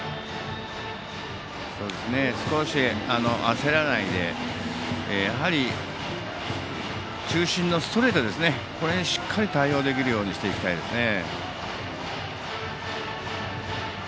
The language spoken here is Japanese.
焦らないでやはり、中心のストレートにこれにしっかり対応できるようにしていきたいですね。